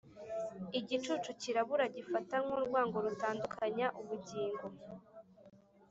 igicucu cyirabura gifata nkurwango, rutandukanya ubugingo.